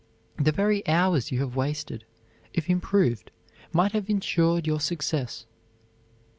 The very hours you have wasted, if improved, might have insured your success.